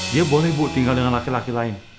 dia boleh bu tinggal dengan laki laki lain